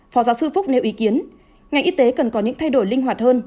phó giáo sư phúc nêu ý kiến ngành y tế cần có những thay đổi linh hoạt hơn